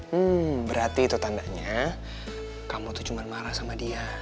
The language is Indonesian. hmm berarti itu tandanya kamu tuh cuma marah sama dia